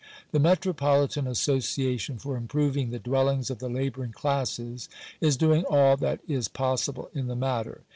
The Metropolitan Association for Im proving the Dwellings of the Labouring Classes is doing all that is possible in the matter.